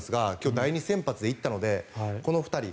第２先発だったのでこの２人。